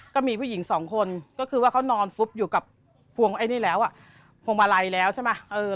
ก็มีผู้หญิง๒คนก็คือว่าเขานอนฟุบอยู่กับพวงมาลัยแล้วใช่ไหม